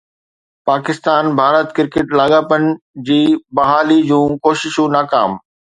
پاڪستان-ڀارت cricket لاڳاپن جي بحاليءَ جون ڪوششون ناڪام